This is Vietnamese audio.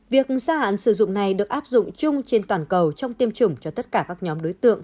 việc gia hạn sử dụng này được áp dụng chung trên toàn cầu trong tiêm chủng cho tất cả các nhóm đối tượng